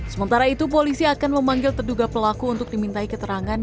sementara itu polisi akan memanggil terduga pelaku untuk dimintai keterangan